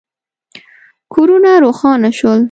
کورونه روښانه شول.